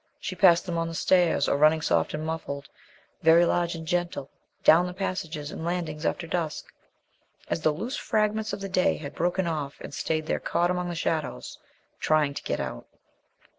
She passed them on the stairs, or running soft and muffled, very large and gentle, down the passages and landings after dusk, as though loose fragments of the Day had broken off and stayed there caught among the shadows, trying to get out.